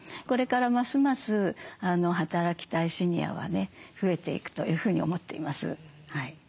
これからますます働きたいシニアはね増えていくというふうに思っています。